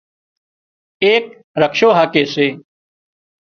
ايڪ رڪشو هاڪي سي